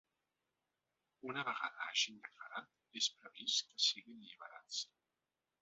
Una vegada hagin declarat, és previst que siguin alliberats.